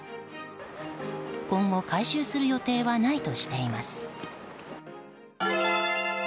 今後、改修する予定はないとしています。